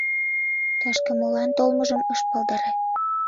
Тышке молан толмыжым ыш палдаре.